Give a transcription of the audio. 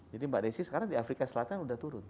jadi mbak desi sekarang di afrika selatan sudah turun